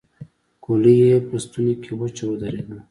ګولۍ يې په ستونې کې وچه ودرېده.